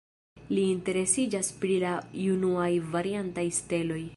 Li interesiĝas pri la junaj variantaj steloj.